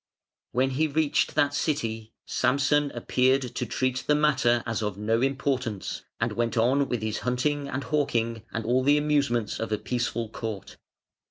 When he reached that city, Samson appeared to treat the matter as of no importance and went on with his hunting and hawking and all the amusements of a peaceful court.